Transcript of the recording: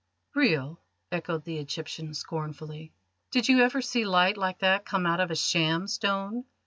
"Real?" echoed the Egyptian scornfully. "Did you ever see light like that come out of a sham stone?